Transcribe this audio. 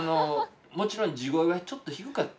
もちろん地声はちょっと低かった。